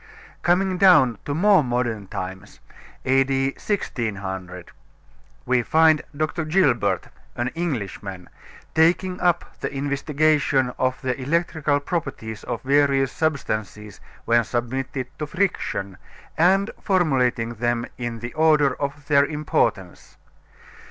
Coming down to more modern times A.D. 1600 we find Dr. Gilbert, an Englishman, taking up the investigation of the electrical properties of various substances when submitted to friction, and formulating them in the order of their importance.